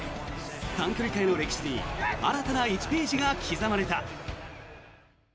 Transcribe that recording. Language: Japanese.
短距離界の歴史に新たな１ページが刻まれた。